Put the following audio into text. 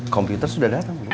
komputer sudah datang belum